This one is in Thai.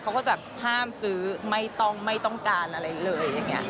เขาก็จะห้ามซื้อไม่ต้องการอะไรเลยอย่างนี้ค่ะ